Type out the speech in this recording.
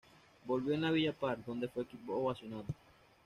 Volvió en el Villa Park, donde fue ovacionado.